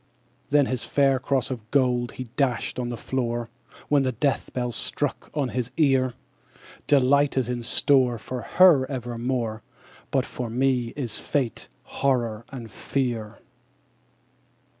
_20 4. Then his fair cross of gold he dashed on the floor, When the death knell struck on his ear. 'Delight is in store For her evermore; But for me is fate, horror, and fear.'